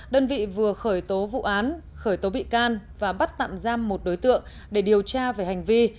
đơn vị vừa khởi tố vụ án khởi tố bị can và bắt tạm giam một đối tượng để điều tra về hành vi